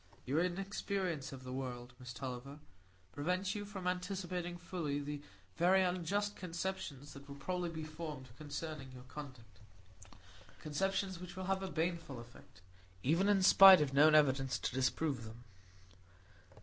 "Your inexperience of the world, Miss Tulliver, prevents you from anticipating fully the very unjust conceptions that will probably be formed concerning your conduct,—conceptions which will have a baneful effect, even in spite of known evidence to disprove them."